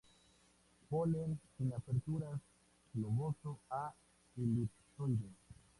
Polen sin aperturas, globoso a elipsoide.